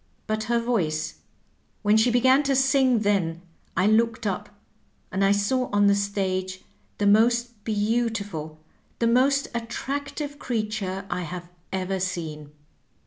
But her voice — ^when she began to sing then I looked up, and I saw on the stage the most beautiful, the most attractive creature I have ever seen.